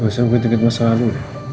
masih aku dikit dikit masa lalu